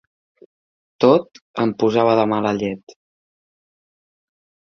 Tot em posava de mala llet.